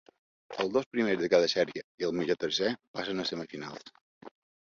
Els dos primers de cada sèrie i el millor tercer passen a semifinals.